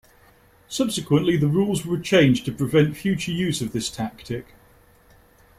Subsequently, the rules were changed to prevent future use of this tactic.